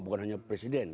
bukan hanya presiden